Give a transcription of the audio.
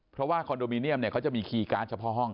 เพราะว่าคอนโดมิเนียมเขาจะมีคีย์การ์ดเฉพาะห้อง